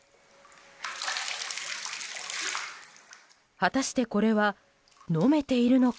果たして、これは飲めているのか？